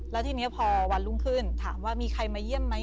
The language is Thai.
แล้วทีนี้พอวันรุ่งขึ้นถามว่ามีใครมาเยี่ยมไหม